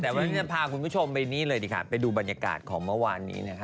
แต่วันนี้จะพาคุณผู้ชมไปดูบรรยากาศของเมื่อวานนี้